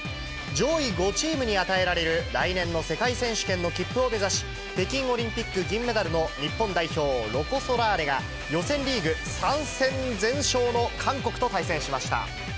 上位５チームに与えられる来年の世界選手権の切符を目指し、北京オリンピック銀メダルの日本代表、ロコ・ソラーレが、予選リーグ３戦全勝の韓国と対戦しました。